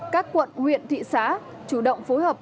các quận huyện thị xã chủ động phối hợp